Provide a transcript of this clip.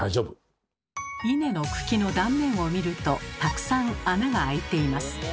イネの茎の断面を見るとたくさん穴が開いています。